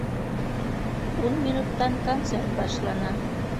Ун минуттан концерт башлана